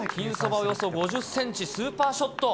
およそ５０センチ、スーパーショット。